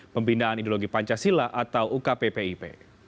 pembinaan ideologi pancasila atau ukppip